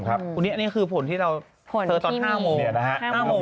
อันนี้คือผลที่เราเจอตอน๕โมง